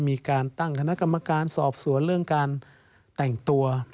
มีการตั้งคณะกรรมการสอบสวนเรื่องการแต่งตัว